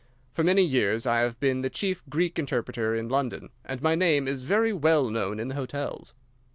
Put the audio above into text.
For many years I have been the chief Greek interpreter in London, and my name is very well known in the hotels.